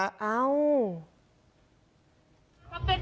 บอกไปดูร้านที่รุ้ม